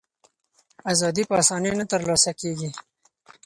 ازادي په آسانۍ نه ترلاسه کېږي.